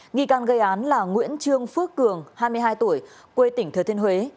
nghi can gây án là nguyễn trương phước cường hai mươi hai tuổi quê tỉnh thừa thiên huế